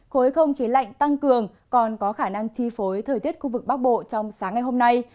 khối không khí lạnh tăng cường còn có khả năng chi phối thời tiết khu vực bắc bộ trong sáng ngày hôm nay